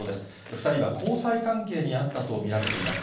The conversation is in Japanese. ２人は交際関係にあったと見られています。